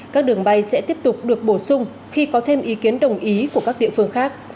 các đường bay sẽ tiếp tục được bổ sung khi có thêm ý kiến đồng ý của các địa phương khác